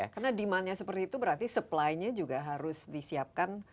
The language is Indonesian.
karena demandnya seperti itu berarti supply nya juga harus disiapkan